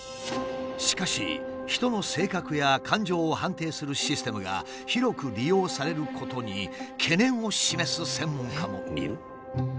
しかし人の性格や感情を判定するシステムが広く利用されることに懸念を示す専門家もいる。